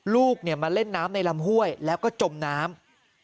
ลูกมาเล่นน้ำในลำห้วยแล้วก็จมน้ำ